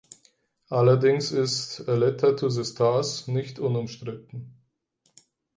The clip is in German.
Allerdings ist "A Letter To The Stars" nicht unumstritten.